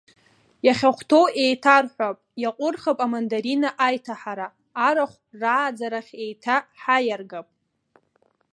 Иахьахәҭоу еиҭарҳәап, иаҟәырхып амандарина аиҭаҳара, арахә рааӡарахь еиҭа ҳаиаргап.